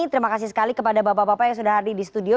terima kasih sekali kepada bapak bapak yang sudah hadir di studio